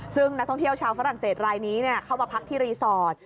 ซึ่งนักท่องเที่ยวชาวฝรั่งเศสรายนี้เข้ามาพักที่รีสอร์ท